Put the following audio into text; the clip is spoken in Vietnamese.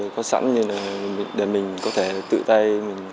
có sẵn để mình có thể tự tay